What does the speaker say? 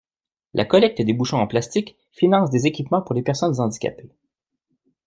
La collecte des bouchons en plastique finance des équipements pour les personnes handicapées.